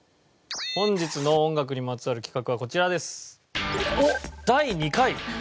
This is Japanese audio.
本日の音楽にまつわる企画はこちらです。